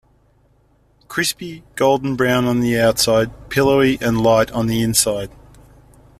Crispy, golden brown on the outside, pillowy and light on the inside.